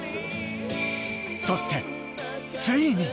そしてついに！